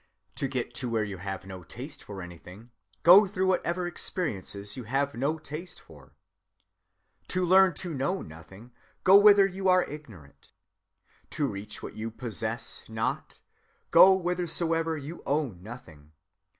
"To get to where you have no taste for anything, go through whatever experiences you have no taste for. "To learn to know nothing, go whither you are ignorant. "To reach what you possess not, go whithersoever you own nothing.